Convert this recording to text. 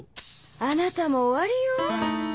あなたも終わりよ。